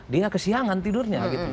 dia kesiangan tidurnya